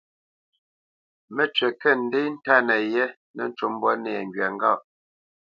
Mə́cywǐ kə̂ ndê ntánə yé nə́ ncú mbwǎ nɛŋgywa ŋgâʼ.